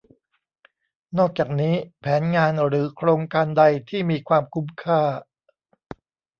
นอกจากนี้แผนงานหรือโครงการใดที่มีความคุ้มค่า